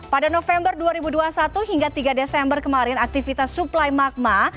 pada november dua ribu dua puluh satu hingga tiga desember kemarin aktivitas suplai magma